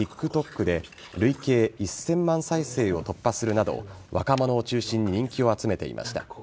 ＴｉｋＴｏｋで累計１０００万再生を突破するなど若者を中心に人気を集めていました。